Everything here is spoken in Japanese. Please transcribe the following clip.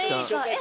え！